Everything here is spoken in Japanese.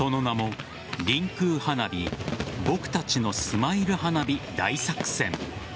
その名もりんくう花火ぼくたちのスマイル花火大作戦